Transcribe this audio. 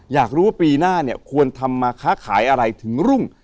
อยากรู้ว่าปีหน้าเนี่ยควรทำมาค้าขายอะไรถึงรุ่ง